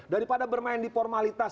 daripada bermain di formalitas